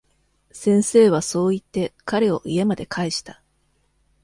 先生はそう言って、彼を家まで帰した。